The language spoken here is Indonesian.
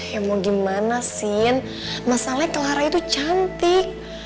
ya mau gimana sih masalahnya clara itu cantik